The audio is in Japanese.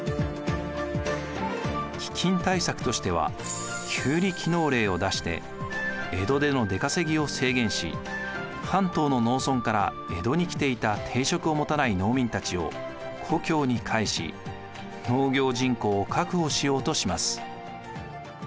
飢饉対策としては旧里帰農令を出して江戸での出稼ぎを制限し関東の農村から江戸に来ていた定職を持たない農民たちを故郷に帰し農業人口を確保しようとします。